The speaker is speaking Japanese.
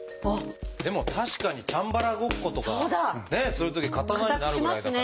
でも確かにチャンバラごっことかするとき刀になるぐらいだから。